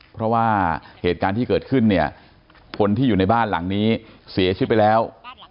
เพราะว่าเหตุการณ์ที่เกิดขึ้นเนี่ยคนที่อยู่ในบ้านหลังนี้เสียชีวิตไปแล้ว